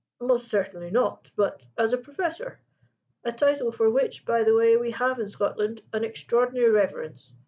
"Most certainly not, but as a Professor a title for which, by the way, we have in Scotland an extraordinary reverence.